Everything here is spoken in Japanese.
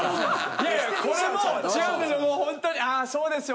いやいやこれも違うんですよ。